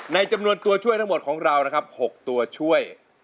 จำนวนตัวช่วยทั้งหมดของเรานะครับ๖ตัวช่วย